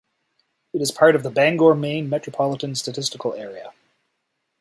It is part of the Bangor, Maine Metropolitan Statistical Area.